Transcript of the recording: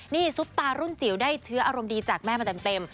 นี่ซุปตารุ่นจิ๋วได้เชื้ออารมณ์ดีจากแม่มาเต็ม